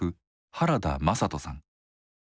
原田眞人さん。